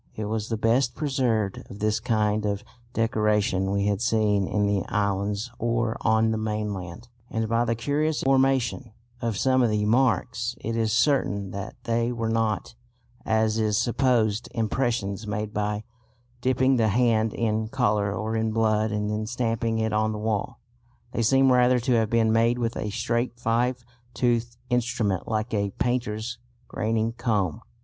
It was the best preserved of this kind of decoration we had seen in the islands or on the mainland, and by the curious formation of some of the marks it is certain that they were not, as is supposed, impressions made by dipping the hand in colour or in blood and then stamping it on the wall. They seem rather to have been made with a straight five toothed instrument like a painter's graining comb.